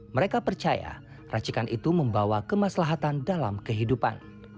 mereka percaya racikan itu membawa kemaslahatan dalam kehidupan